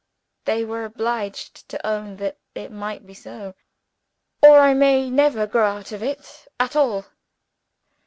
They were obliged to own that it might be so. 'Or I may never grow out of it, at all?'